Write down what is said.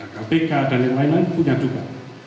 kpk dan yang lain lain punya juga